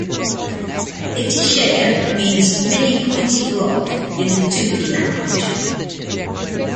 Itatiaia means "many-pointed rock" in the Tupi language.